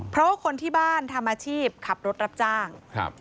เพราะว่าคนที่บ้านทำอาชีพขับรถรับจ้างครับ